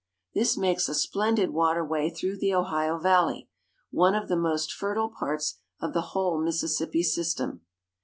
This makes a splendid waterway through the Ohio Valley, one of the most fertile parts of the whole Mississippi system.